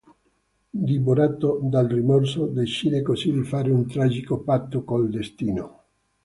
Divorato dal rimorso, decide così di fare un tragico patto col Destino.